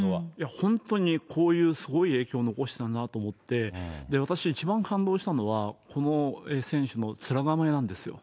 本当にこういうすごい影響を残したんだなと思って、私、一番感動したのは、この選手の面構えなんですよ。